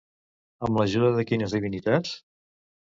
Amb l'ajuda de quines divinitats?